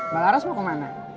mbak laras mau kemana